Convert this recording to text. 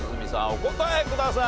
お答えください。